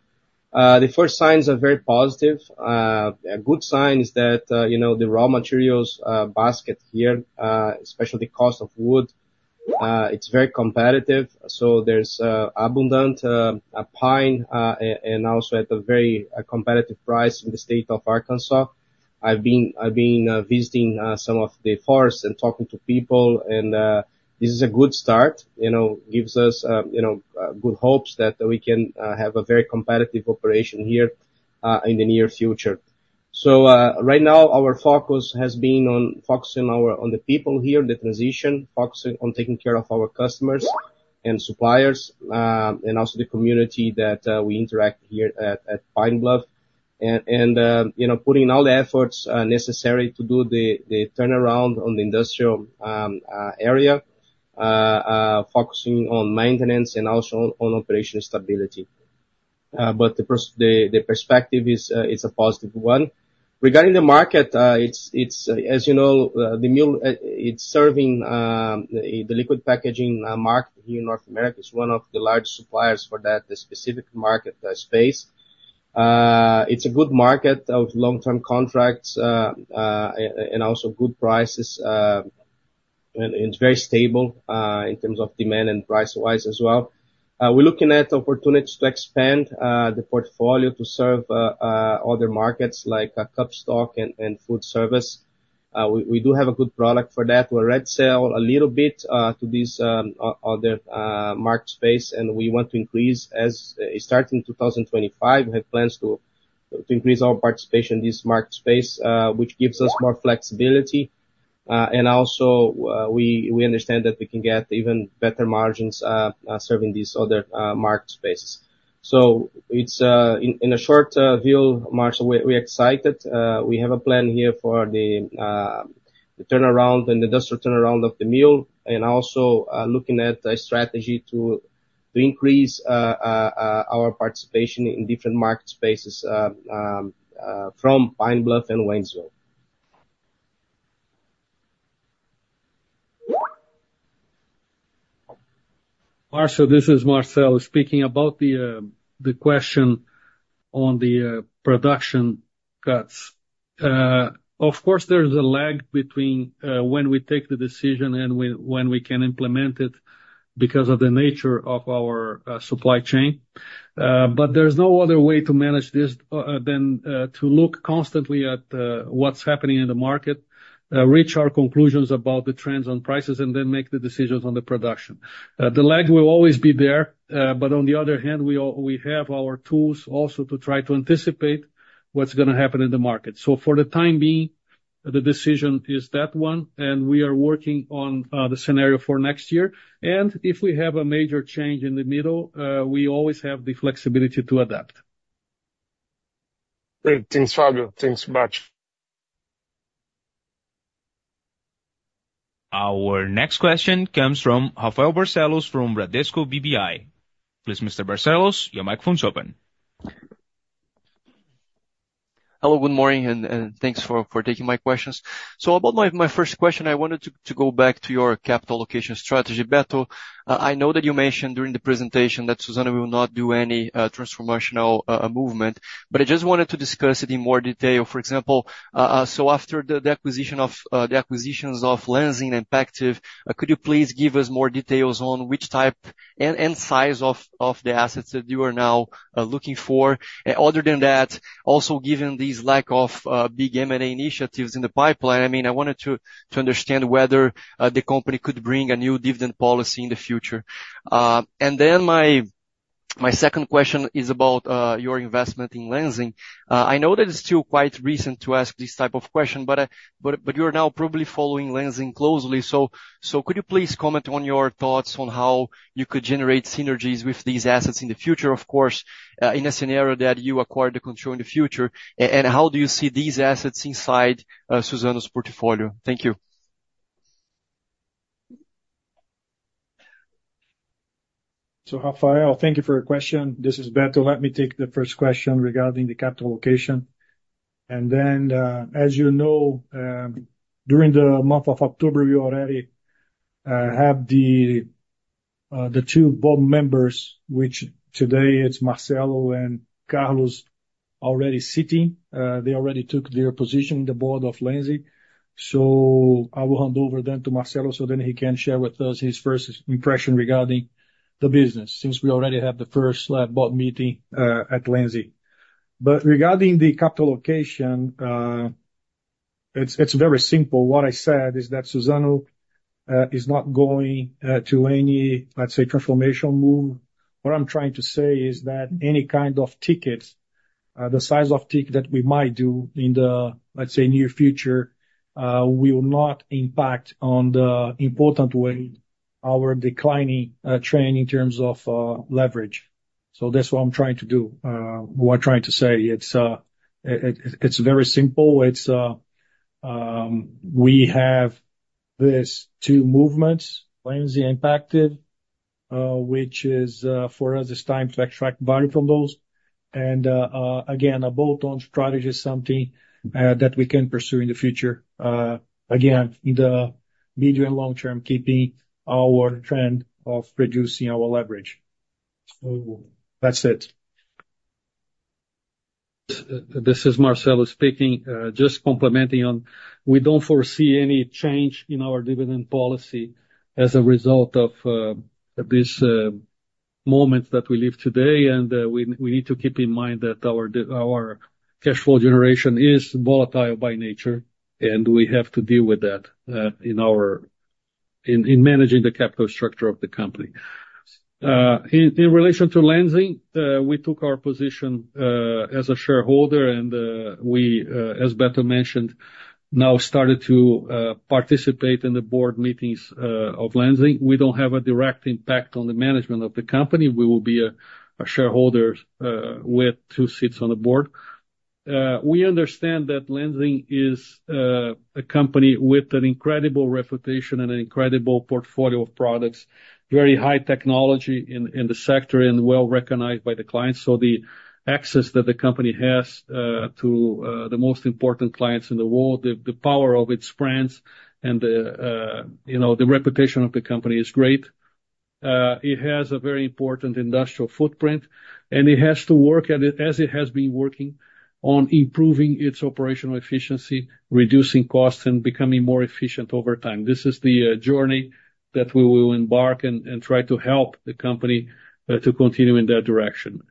The first signs are very positive. A good sign is that, you know, the raw materials basket here, especially the cost of wood, it's very competitive. So there's abundant pine and also at a very competitive price in the state of Arkansas. I've been visiting some of the forests and talking to people, and this is a good start. You know, gives us, you know, good hopes that we can have a very competitive operation here in the near future. So right now, our focus has been on focusing on the people here, the transition, focusing on taking care of our customers and suppliers, and also the community that we interact here at Pine Bluff. And you know, putting all the efforts necessary to do the turnaround on the industrial area, focusing on maintenance and also on operation stability. But the perspective is a positive one. Regarding the market, it's, as you know, the mill it's serving the liquid packaging market here in North America. It's one of the large suppliers for that, the specific market space. It's a good market of long-term contracts and also good prices. And it's very stable in terms of demand and price-wise as well. We're looking at opportunities to expand the portfolio to serve other markets, like cup stock and food service. We do have a good product for that. We already sell a little bit to these other market space, and we want to increase. As starting in 2025, we have plans to increase our participation in this market space, which gives us more flexibility and also we understand that we can get even better margins serving these other market spaces. So it's in a short view, Marcio, we're excited. We have a plan here for the turnaround and the industrial turnaround of the mill, and also looking at a strategy to increase our participation in different market spaces from Pine Bluff and Waynesville. Marcio, this is Marcelo. Speaking about the question on the production cuts. Of course, there's a lag between when we take the decision and when we can implement it because of the nature of our supply chain, but there's no other way to manage this than to look constantly at what's happening in the market, reach our conclusions about the trends on prices, and then make the decisions on the production. The lag will always be there, but on the other hand, we have our tools also to try to anticipate what's gonna happen in the market, so for the time being, the decision is that one, and we are working on the scenario for next year. And if we have a major change in the middle, we always have the flexibility to adapt. Great. Thanks, Fabio. Thanks so much. Our next question comes from Rafael Barcellos, from Bradesco BBI. Please, Mr. Barcellos, your microphone's open. Hello, good morning, and thanks for taking my questions. About my first question, I wanted to go back to your capital allocation strategy. Beto, I know that you mentioned during the presentation that Suzano will not do any transformational movement, but I just wanted to discuss it in more detail. For example, after the acquisitions of Lenzing and Pactiv, could you please give us more details on which type and size of the assets that you are now looking for? Other than that, also given these lack of big M&A initiatives in the pipeline, I mean, I wanted to understand whether the company could bring a new dividend policy in the future. Then my second question is about your investment in Lenzing. I know that it's still quite recent to ask this type of question, but you are now probably following Lenzing closely. So could you please comment on your thoughts on how you could generate synergies with these assets in the future, of course, in a scenario that you acquired the control in the future, and how do you see these assets inside Suzano's portfolio? Thank you. So, Rafael, thank you for your question. This is Beto. Let me take the first question regarding the capital allocation, and then, as you know, during the month of October, we already have the two board members, which today it's Marcelo and Carlos already sitting, they already took their position in the board of Lenzing. So I will hand over then to Marcelo, so then he can share with us his first impression regarding the business, since we already have the first board meeting at Lenzing. But regarding the capital allocation, it's very simple. What I said is that Suzano is not going to any, let's say, transformational move. What I'm trying to say is that any kind of ticket, the size of ticket that we might do in the, let's say, near future, will not impact on the important way our declining trend in terms of leverage. So that's what I'm trying to do, what I'm trying to say. It's very simple. It's we have these two movements, Lenzing investment, which is for us, it's time to extract value from those. And again, a bolt-on strategy is something that we can pursue in the future, again, in the medium and long term, keeping our trend of reducing our leverage. So that's it. This is Marcelo speaking. Just commenting on, we don't foresee any change in our dividend policy as a result of this moment that we live today, and we need to keep in mind that our cash flow generation is volatile by nature, and we have to deal with that in managing the capital structure of the company. In relation to Lenzing, we took our position as a shareholder, and as Beto mentioned, now started to participate in the board meetings of Lenzing. We don't have a direct impact on the management of the company. We will be a shareholder with two seats on the board. We understand that Lenzing is a company with an incredible reputation and an incredible portfolio of products, very high technology in the sector and well-recognized by the clients. So the access that the company has to the most important clients in the world, the power of its brands and the, you know, the reputation of the company is great. It has a very important industrial footprint, and it has to work, and as it has been working on improving its operational efficiency, reducing costs, and becoming more efficient over time. This is the journey that we will embark and try to help the company to continue in that direction.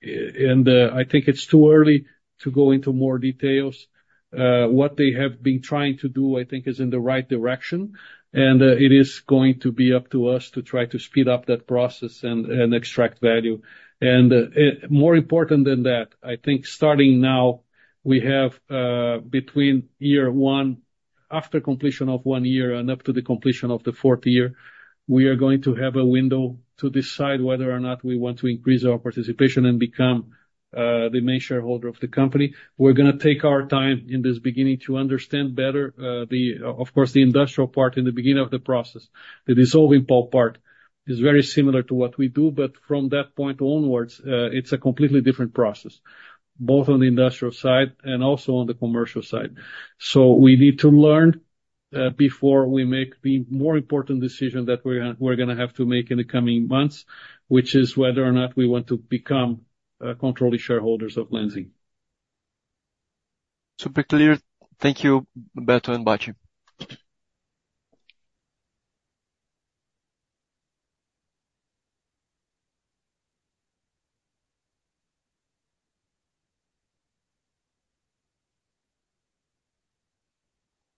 And, I think it's too early to go into more details. What they have been trying to do, I think, is in the right direction, and it is going to be up to us to try to speed up that process and extract value. More important than that, I think starting now, we have between year one, after completion of one year and up to the completion of the fourth year, we are going to have a window to decide whether or not we want to increase our participation and become the main shareholder of the company. We're gonna take our time in this beginning to understand better, of course, the industrial part in the beginning of the process. The dissolving pulp part is very similar to what we do, but from that point onwards, it's a completely different process, both on the industrial side and also on the commercial side. We need to learn before we make the more important decision that we're gonna have to make in the coming months, which is whether or not we want to become controlling shareholders of Lenzing. Super clear. Thank you, Beto and Bacci.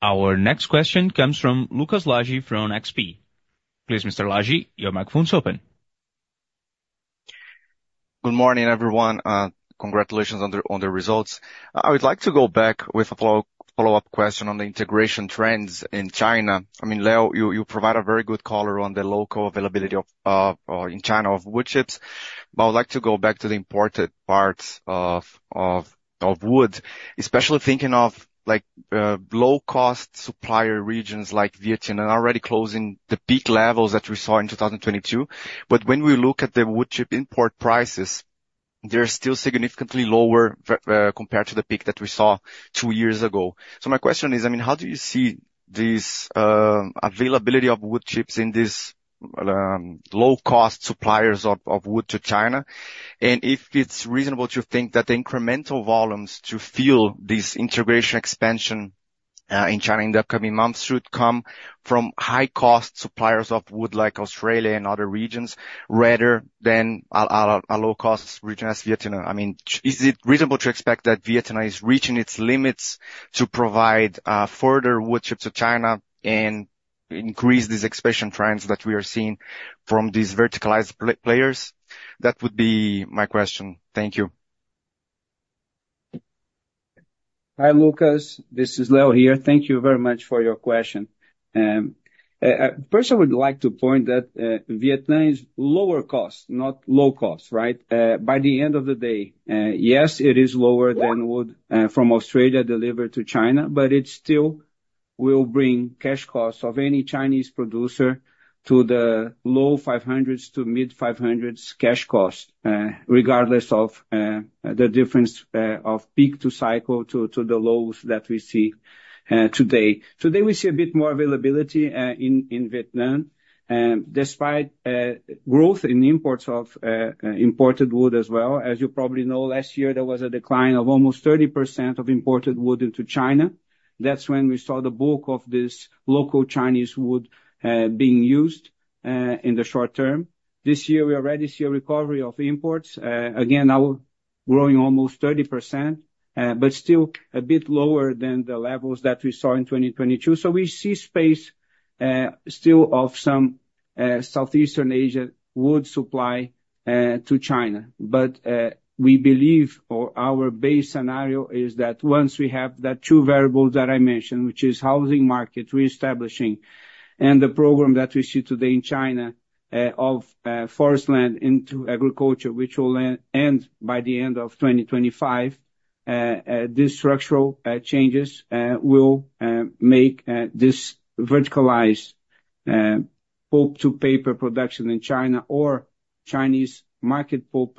Our next question comes from Lucas Laghi from XP. Please, Mr. Laghi, your microphone is open. Good morning, everyone. Congratulations on the results. I would like to go back with a follow-up question on the integration trends in China. I mean, Leo, you provide a very good color on the local availability of wood chips in China, but I would like to go back to the imported parts of wood, especially thinking of like low-cost supplier regions like Vietnam, and already closing the peak levels that we saw in 2022. But when we look at the wood chip import prices, they're still significantly lower versus compared to the peak that we saw two years ago. So my question is, I mean, how do you see this availability of wood chips in this low-cost suppliers of wood to China? If it's reasonable to think that the incremental volumes to fuel this integration expansion in China in the upcoming months should come from high-cost suppliers of wood like Australia and other regions rather than a low-cost region as Vietnam. I mean, is it reasonable to expect that Vietnam is reaching its limits to provide further wood chips to China and increase these expansion trends that we are seeing from these verticalized players? That would be my question. Thank you. Hi, Lucas, this is Leo here. Thank you very much for your question. First, I would like to point that Vietnam is lower cost, not low cost, right? By the end of the day, yes, it is lower than wood from Australia delivered to China, but it's still will bring cash costs of any Chinese producer to the low five hundreds to mid-five hundreds cash cost, regardless of the difference of peak to cycle to the lows that we see today. Today, we see a bit more availability in Vietnam, and despite growth in imports of imported wood as well, as you probably know, last year, there was a decline of almost 30% of imported wood into China. That's when we saw the bulk of this local Chinese wood being used in the short term. This year, we already see a recovery of imports again, now growing almost 30%, but still a bit lower than the levels that we saw in 2022. So we see space still of some Southeast Asia wood supply to China. But we believe, or our base scenario is that once we have the two variables that I mentioned, which is housing market reestablishing and the program that we see today in China of forest land into agriculture, which will end by the end of 2025, these structural changes will make this verticalized pulp to paper production in China or Chinese market pulp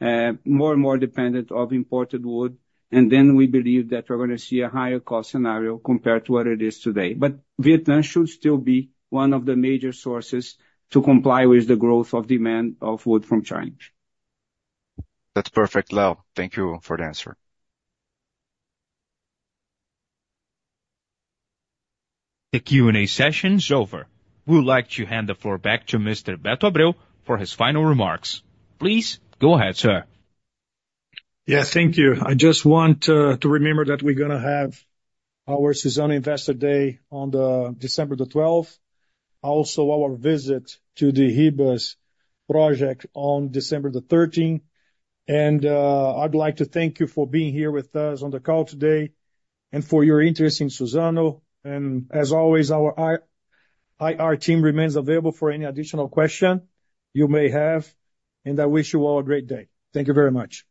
players more and more dependent of imported wood. And then we believe that we're gonna see a higher cost scenario compared to what it is today. But Vietnam should still be one of the major sources to comply with the growth of demand of wood from China. That's perfect, Leo. Thank you for the answer. The Q&A session is over. We would like to hand the floor back to Mr. Beto Abreu for his final remarks. Please go ahead, sir. Yeah, thank you. I just want to remember that we're gonna have our Suzano Investor Day on December 12th. Also, our visit to the Ribas project on December 13th. I'd like to thank you for being here with us on the call today, and for your interest in Suzano. And as always, our IR team remains available for any additional question you may have, and I wish you all a great day. Thank you very much.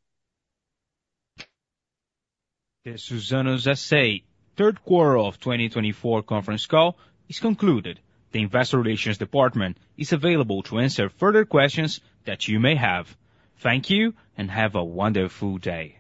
The Suzano S.A. Third Quarter of 2024 Conference Call is concluded. The Investor Relations Department is available to answer further questions that you may have. Thank you, and have a wonderful day.